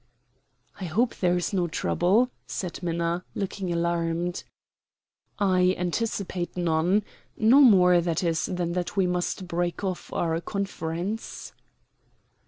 "I hope there is no trouble?" said Minna, looking alarmed. "I anticipate none; no more, that is, than that we must break off our conference."